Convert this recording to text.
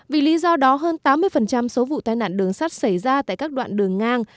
vì lý do đó hơn tám mươi số vụ tai nạn đường sắt xảy ra tại các đoạn đường ngang